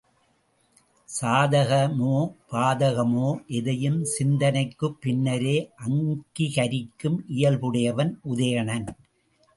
சாதகமோ, பாதகமோ எதையும் சிந்தனைக்குப் பின்னரே அங்கிகரிக்கும் இயல்புடையவன் உதயணன்.